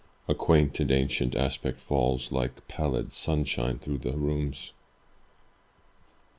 A quaint and ancient aspect falls Like pallid sunshine through the rooms.